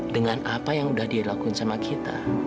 dengan apa yang udah dia lakuin sama kita